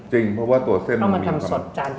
จริงเพราะว่าเพราะว่าทำสดจานต่อลุง